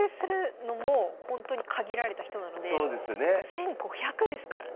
１，５００ですからね。